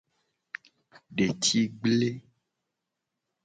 Detigble.